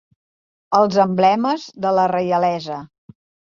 Els emblemes de la reialesa.